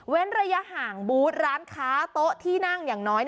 ระยะห่างบูธร้านค้าโต๊ะที่นั่งอย่างน้อย